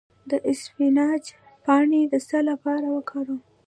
د اسفناج پاڼې د څه لپاره وکاروم؟